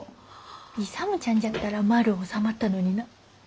勇ちゃんじゃったら丸う収まったのにな。